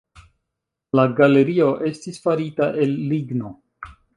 La galerio estis farita el ligno.